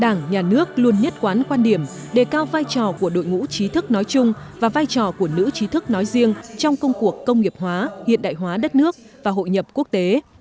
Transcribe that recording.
đảng nhà nước luôn nhất quán quan điểm đề cao vai trò của đội ngũ trí thức nói chung và vai trò của nữ trí thức nói riêng trong công cuộc công nghiệp hóa hiện đại hóa đất nước và hội nhập quốc tế